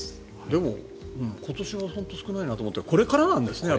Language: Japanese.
でも、今年は本当に少ないなと思ったけどこれからなんですかね。